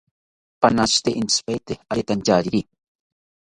Panashitya intzipaete aretantyari